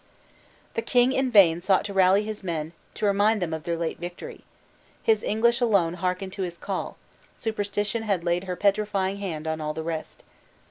The king in vain sought to rally his men to remind them of their late victory. His English alone hearkened to his call; superstition had laid her petrifying hand on all the rest.